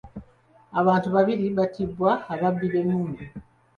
Abantu babiri batiddwa ababbi b'emmundu.